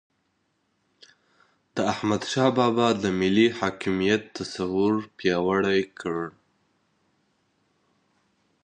د احمد شاه بابا د ملي حاکمیت تصور پیاوړی کړ.